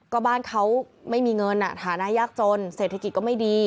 ก็บ้านเขาไม่มีเงินฐานะยากจนเศรษฐกิจก็ไม่ดี